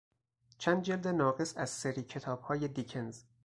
چند جلد ناقص از سری کتابهای دیکنز